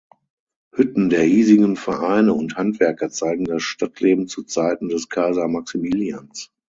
Hütten der hiesigen Vereine und Handwerker zeigen das Stadtleben zu Zeiten des Kaiser Maximilians.